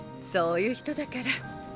そういう人だから。